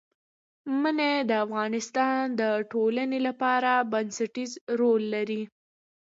منی د افغانستان د ټولنې لپاره بنسټيز رول لري.